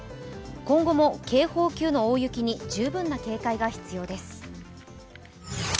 今後も警報級の大雪に十分な警戒が必要です。